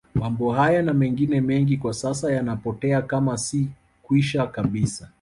Mambo haya na mengine mengi kwa sasa yanapotea kama si kwisha kabisa